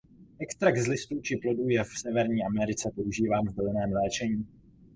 Extrakt z listů či plodů je v Severní Americe používán v bylinném léčení.